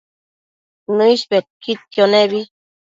Nëish bedquidquio nebi